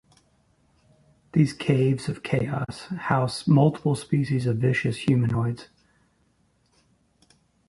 These Caves of Chaos house multiple species of vicious humanoids.